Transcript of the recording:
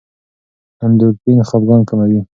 اندورفین خپګان کموي.